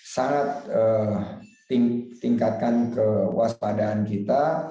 sangat tingkatkan kewaspadaan kita